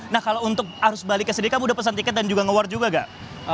nah kalau untuk harus balik ke sediakamu udah pesan tiket dan juga nge word juga gak